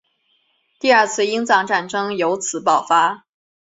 第二次英藏战争由此爆发。